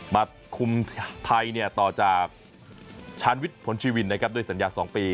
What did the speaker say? มาคุมไทยต่อจากชาญวิทย์ผลชีวินนะครับด้วยสัญญา๒ปี